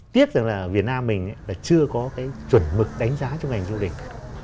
tiếc rằng là việt nam mình là chưa có cái chuẩn mực đánh giá trong ngành du lịch